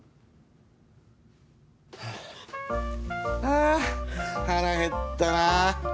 あ腹減ったなぁ。